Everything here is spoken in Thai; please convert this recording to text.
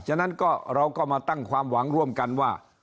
ฉะนั้นก็เราก็มาตั้งความหวังร่วมกันว่า